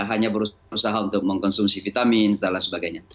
hanya berusaha untuk mengkonsumsi vitamin dan lain sebagainya